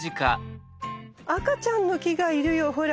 赤ちゃんの木がいるよほら。